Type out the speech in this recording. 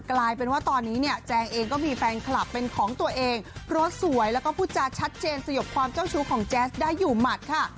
กลายเป็นว่าตอนนี้เนี่ยแจงเองก็มีแฟนคลับเป็นของตัวเองเพราะสวยแล้วก็พูดจาชัดเจนสยบความเจ้าชู้ของแจ๊สได้อยู่หมัดค่ะ